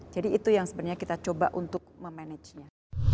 jadi itu yang sebenarnya kita coba untuk memanagenya